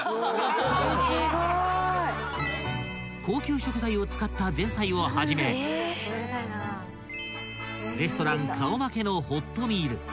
［高級食材を使った前菜をはじめレストラン顔負けの］